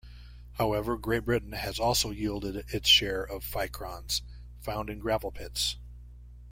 However, Great Britain has also yielded its share of ficrons, found in gravel pits.